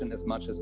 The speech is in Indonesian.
mengetahui hal itu